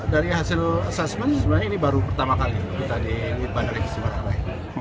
dari hasil assessment sebenarnya ini baru pertama kali kita di bandara inggris timur akhlaq